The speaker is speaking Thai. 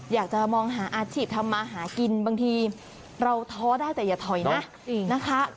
อยากจะมองหาอาชีพทำมาหากินบางทีเราท้อได้แต่อย่าถอยนะนะคะ